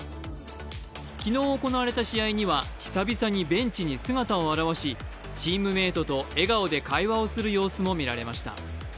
昨日、行われた試合には久々にベンチに姿を現し、チームメートと笑顔で会話をする様子も見られました。